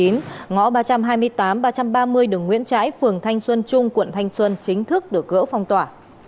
ngõ ba trăm hai mươi tám ba trăm ba mươi đường nguyễn trãi phường thanh xuân trung quận thanh xuân chính thức được gỡ phong tỏa